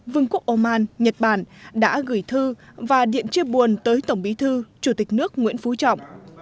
vương quốc oman nhật bản đã gửi thư và điện chia buồn tới tổng bí thư chủ tịch nước nguyễn phú trọng